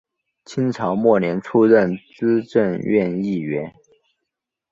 清朝末年出任资政院议员。